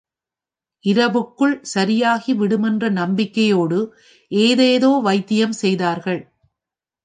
இரவுக்குள் சரியாகிவிடுமென்ற நம்பிக்கையோடு ஏதேதோ வைத்தியம் செய்தார்கள்.